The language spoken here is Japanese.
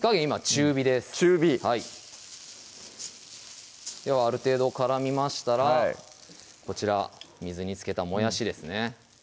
中火はいではある程度絡みましたらこちら水につけたもやしですね